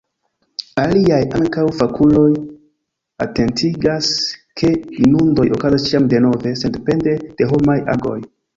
Aliaj, ankaŭ fakuloj, atentigas ke inundoj okazas ĉiam denove, sendepende de homaj agoj.